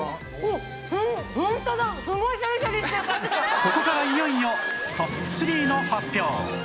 ここからいよいよトップ３の発表